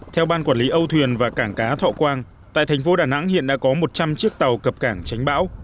theo ban quản lý âu thuyền và cảng cá thọ quang tại thành phố đà nẵng hiện đã có một trăm linh chiếc tàu cập cảng tránh bão